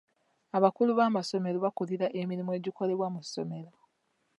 Abakulu b'amasomero bakulira emirimu egikolebwa mu ssomero.